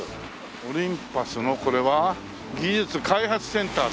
オリンパスのこれは技術開発センターだ。